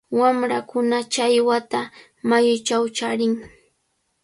Wamrakuna challwata mayuchaw charin.